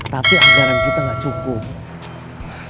tapi anggaran kita nggak cukup